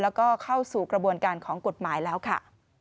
แล้วก็เข้าสู่กระบวนการของกฎหมายแล้วค่ะ